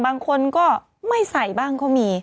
บางคนก็ไม่ใส่บ้าง